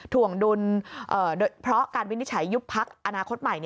ถ่วงดุลโดยเพราะการวินิจฉัยยุบพักอนาคตใหม่